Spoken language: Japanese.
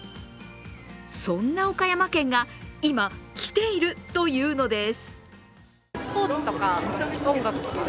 そんな岡山県が今、キテいるというのです。